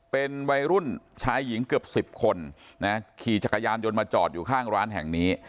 เป็นวัยรุ่นชายหญิงเกือบ๑๐คนนะขี่จักรยานยนต์มาจอดอยู่ข้างร้านแห่งนี้